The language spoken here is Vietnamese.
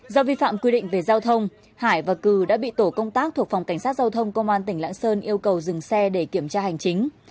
do vi phạm quy định về giao thông hải và cư đã bị tổ công tác thuộc phòng cảnh sát giao thông công an tỉnh lạng sơn yêu cầu dừng xe để kiểm tra hành chính